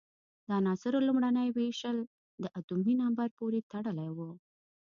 د عناصرو لومړنۍ وېشل د اتومي نمبر پورې تړلی وو.